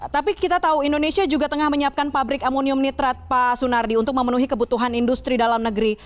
tapi kita tahu indonesia juga tengah menyiapkan pabrik amonium nitrat pak sunardi untuk memenuhi kebutuhan industri dalam negeri